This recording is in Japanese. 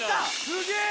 すげえ！